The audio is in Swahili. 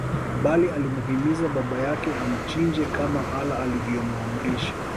Bali alimuhimiza baba yake amchinje kama Allah alivyomuamrisha